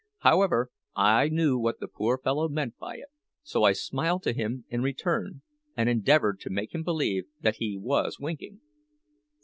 However, I knew what the poor fellow meant by it; so I smiled to him in return, and endeavoured to make believe that he was winking.